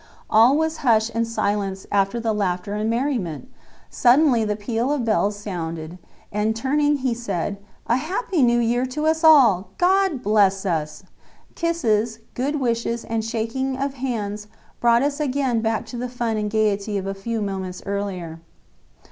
All was hush and silence after the laughter and merriment! Suddenly the peal of bells sounded, and turning he said: "A happy New Year to us all! God bless us." Kisses, good wishes and shaking of hands brought us again back to the fun and gaiety of a few moments earlier.